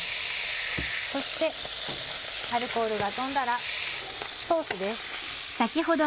そしてアルコールが飛んだらソースです。